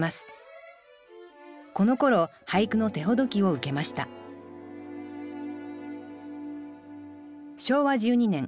このころ俳句の手ほどきを受けました昭和１２年。